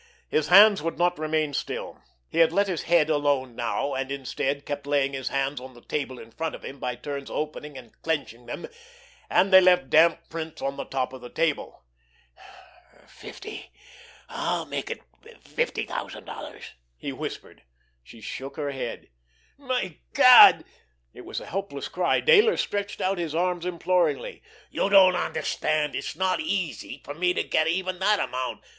His hands would not remain still. He had let his head alone now, and, instead, kept laying his hands on the table in front of him, by turns opening and clenching them, and they left damp prints on the top of the table. "Fifty—I—I'll make it fifty thousand dollars," he whispered. She shook her head. "My God!" It was a helpless cry. Dayler stretched out his arms imploringly. "You don't understand! It's not easy for me to get even that amount.